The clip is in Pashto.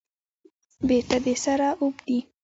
بیرته د سره اوبدي